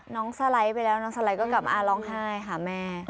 น้องสลัยไปแล้วน้องสลัยก็กลับมาล้องไห้หาแม่